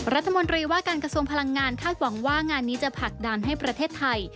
รัฐมนตรีว่าการกระทรวงพลังงานคาดหวังว่างานนี้จะผลักดันให้ประเทศไทย